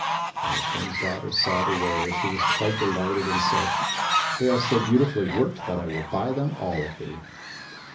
When the King's daughter saw the wares, she was quite delighted and said, "They are so beautifully worked, that I will buy them all of thee."